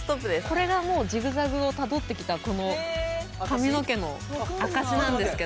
これがもうジグザグをたどってきた髪の毛の証しなんですけど。